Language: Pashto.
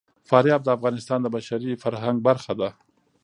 فاریاب د افغانستان د بشري فرهنګ برخه ده.